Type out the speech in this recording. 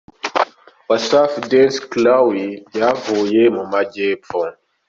Wasafi Dance Crew ryavuye mu Majyepfo.